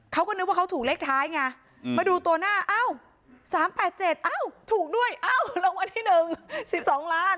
เขาก็นึกว่าเขาถูกเลขท้ายไงมาดูตัวหน้าอ้าว๓๘๗อ้าวถูกด้วยอ้าวรางวัลที่๑๑๒ล้าน